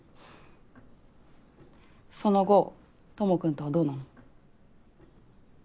その後智くんとはどうなの？